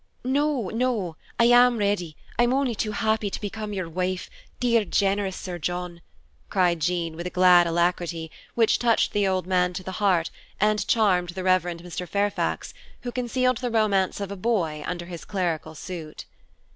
"No, no! I am ready, I am only too happy to become your wife, dear, generous Sir John," cried Jean, with a glad alacrity, which touched the old man to the heart, and charmed the Reverend Mr. Fairfax, who concealed the romance of a boy under his clerical suit.